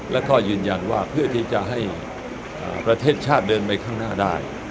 แล้วก็ยืนยันว่าเพื่อที่จะให้ประเทศชาติเดินไปข้างหน้าได้